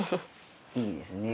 いいですね。